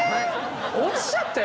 落ちちゃったよ